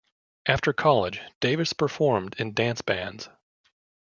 After college, Davis performed in dance bands.